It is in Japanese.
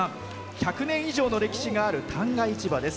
１００年以上の歴史がある旦過市場です。